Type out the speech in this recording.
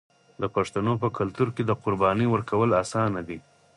د پښتنو په کلتور کې د قربانۍ ورکول اسانه دي.